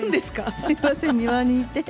すみません、庭にいて。